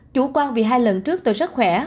chủ quan vì hai lần trước tôi rất khỏe